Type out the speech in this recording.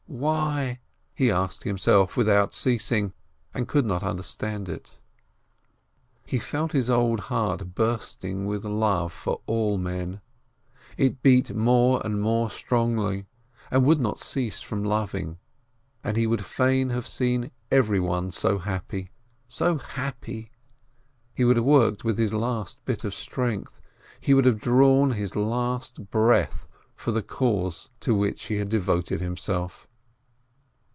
Why?" he asked himself without ceasing, and could not under stand it. He felt his old heart bursting with love to all men. It beat more and more strongly, and would not cease from loving; and he would fain have seen everyone so happy, so happy ! He would have worked with his last bit of strength, he would have drawn his last breath EEB SHLOIMEH 341 for the cause to which he had devoted himself.